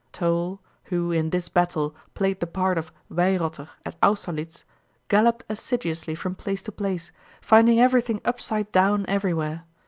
Toll, who in this battle played the part of Weyrother at Austerlitz, galloped assiduously from place to place, finding everything upside down everywhere.